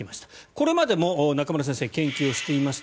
これまでも中村先生、研究していました。